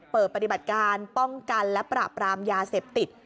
เปิดปฏิบัติการป้องกันและปราบรามยาเสพติด